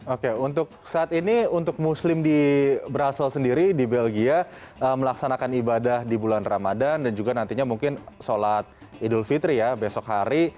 oke untuk saat ini untuk muslim di brazil sendiri di belgia melaksanakan ibadah di bulan ramadan dan juga nantinya mungkin sholat idul fitri ya besok hari